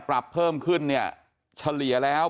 ปรับเพิ่มขึ้นเนี่ยเฉลี่ยแล้ว